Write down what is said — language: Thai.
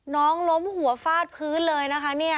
น้องล้มหัวฟาดพื้นเลยนะคะ